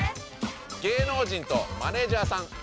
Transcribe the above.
「芸能人」と「マネージャーさん」。